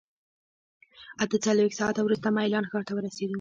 اته څلوېښت ساعته وروسته میلان ښار ته ورسېدو.